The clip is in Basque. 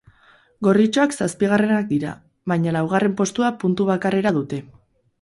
Gorritxoak zazpigarrenak dira, baina laugarren postua puntu bakarrera dute.